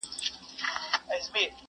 زلیخا دي کړه شاعره زه دي هلته منم عشقه,